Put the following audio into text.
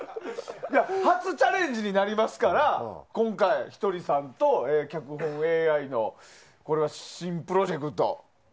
初チャレンジになりますから今回、ひとりさんとＡＩ脚本のこれは新プロジェクト。